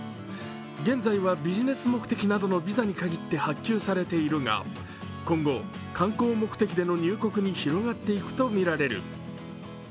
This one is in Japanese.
現在はビジネス目的などのビザに限って発給されているが、今後、観光目的での入国に広がっていくと見られる。